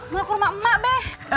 mau ke rumah emak be